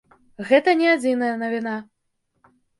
Гэта не адзіная навіна.